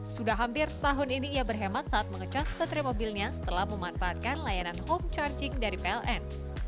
sudah hampir setahun ini ia berhemat saat mengecas baterai mobilnya setelah memanfaatkan layanan home charging dari pln